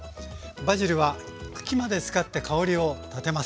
バジルは茎まで使って香りを立てます。